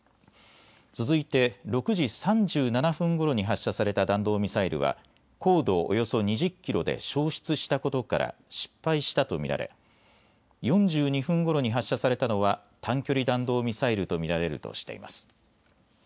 続いて６時３７分ごろに発射された弾道ミサイルは高度およそ２０キロで消失したことから失敗したと見られ４２分ごろに発射されたのは短距離弾道ミサイルと見られるとしています。